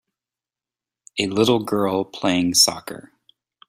A little girl playing soccer